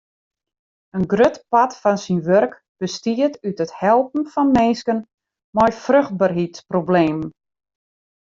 In grut part fan syn wurk bestiet út it helpen fan minsken mei fruchtberheidsproblemen.